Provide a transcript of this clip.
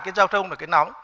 cái giao thông là cái nóng